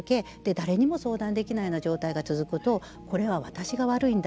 誰にも相談出来ない状態が続くとこれは私が悪いんだ